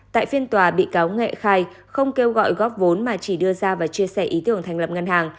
tại phiên tòa bị cáo nghệ khai không kêu gọi góp vốn mà chỉ đưa ra và chia sẻ ý tưởng thành lập ngân hàng